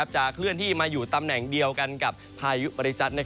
เคลื่อนที่มาอยู่ตำแหน่งเดียวกันกับพายุบริจัตน์